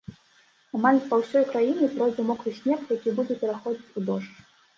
Амаль па ўсёй краіне пройдзе мокры снег, які будзе пераходзіць у дождж.